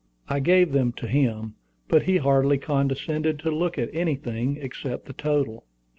I gave them to him, but he hardly condescended to look at anything except the total.